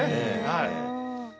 はい。